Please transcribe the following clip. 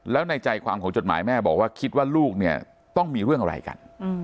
แล้วในใจความของจดหมายแม่บอกว่าคิดว่าลูกเนี่ยต้องมีเรื่องอะไรกัน